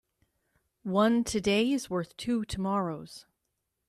One today is worth two tomorrows.